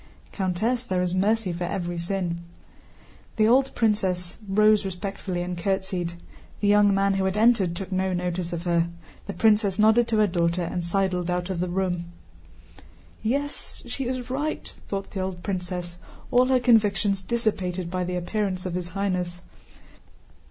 * "Countess, there is mercy for every sin." The old princess rose respectfully and curtsied. The young man who had entered took no notice of her. The princess nodded to her daughter and sidled out of the room. "Yes, she is right," thought the old princess, all her convictions dissipated by the appearance of His Highness.